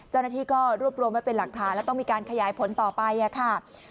เจ้าหน้าที่ก็รวบรวมไว้เป็นหลักฐานแล้วต้องมีการขยายผลต่อไปค่ะ